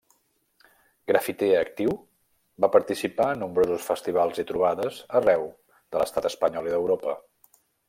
Grafiter actiu, va participar en nombrosos festivals i trobades arreu de l'estat espanyol i d'Europa.